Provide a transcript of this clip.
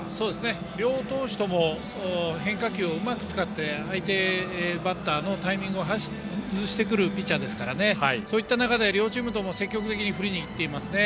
両投手とも変化球をうまく使って相手バッターのタイミングを外してくるピッチャーですからそういった中で両チームとも積極的に振りにいっていますね。